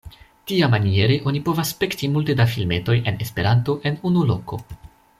Tiamaniere oni povas spekti multe da filmetoj en Esperanto en unu loko.